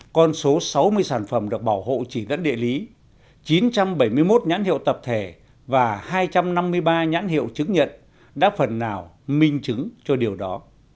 con số sáu mươi sản phẩm được bảo hộ chỉ dẫn địa lý chín trăm bảy mươi một nhãn hiệu tập thể và hai trăm năm mươi ba nhãn hiệu chứng nhận đã phần nào minh chứng cho điều đó